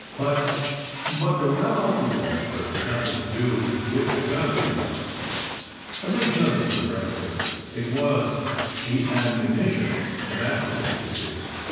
But but the row you all heard had nothing to do with the guns, you know. At least, nothing directly. It was the ammunition; an acci dent, you see.